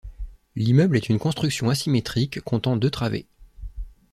L'immeuble est une construction asymétrique comptant deux travées.